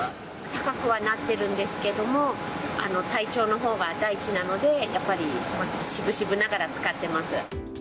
高くはなっているんですけども、体調のほうが大事なので、やっぱりしぶしぶながら使ってます。